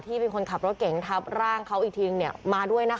เป็นคนขับรถเก่งทับร่างเขาอีกทีมาด้วยนะคะ